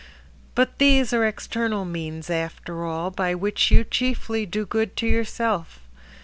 But these are external means after all By which you chiefly do good to yourself.